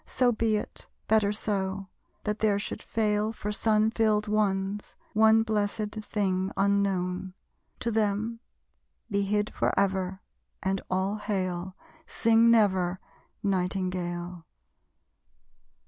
So be it, better so: that there should fail For sun filled ones, one blessèd thing unknown. To them, be hid forever, and all hail! Sing never, Nightingale.